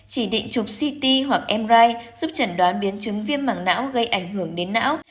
chỉ định chụp ct hoặc mri giúp chẩn đoán biến chứng viêm mẳng não gây ảnh hưởng đến não